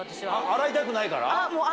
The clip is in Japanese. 洗いたくないから？